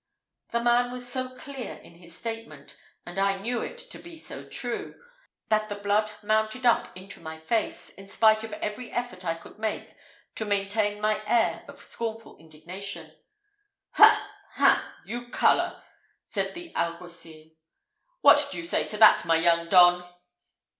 The man was so clear in his statement, and I knew it to be so true, that the blood mounted up into my face, in spite of every effort I could make to maintain my air of scornful indignation. "Ha, ha! you colour!" said the alguacil; "what do you say to that, my young don?"